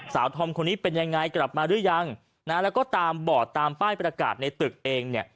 ทอมคนนี้เป็นยังไงกลับมาหรือยังนะแล้วก็ตามบอร์ดตามป้ายประกาศในตึกเองเนี่ย